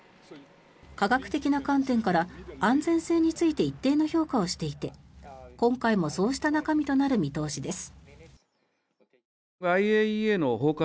科学的な観点から安全性について一定の評価をしていて今回もそうした中身となる見通しです。